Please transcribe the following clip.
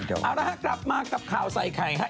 เอาละกลับมากับข่าวใช้ไครฮะ